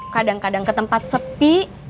kadang kadang ke tempat sepi